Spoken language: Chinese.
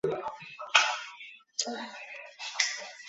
曾经在香港担任瑞士私人银行香港助理副总裁。